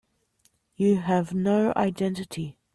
You have no identity.